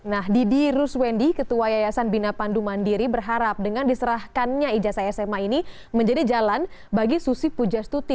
nah didi ruswendi ketua yayasan bina pandu mandiri berharap dengan diserahkannya ijazah sma ini menjadi jalan bagi susi pujastuti